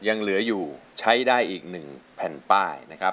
ยังเหลืออยู่ใช้ได้อีก๑แผ่นป้ายนะครับ